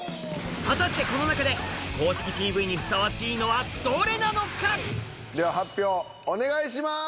果たしてこの中で公式ＰＶにふさわしいのはどれなのか⁉では発表お願いします！